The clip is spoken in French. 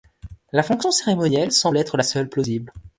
La fonction cérémonielle semble être la seule plausible.